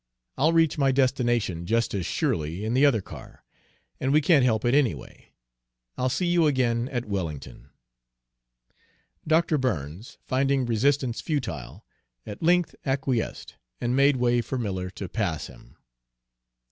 I'll reach my destination just as surely in the other car, and we can't help it, anyway. I'll see you again at Wellington." Dr. Burns, finding resistance futile, at length acquiesced and made way for Miller to pass him.